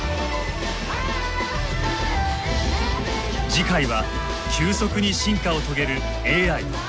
次回は急速に進化を遂げるＡＩ人工知能。